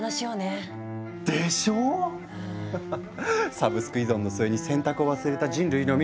サブスク依存の末に選択を忘れた人類の未来。